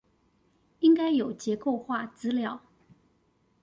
應該有結構化資料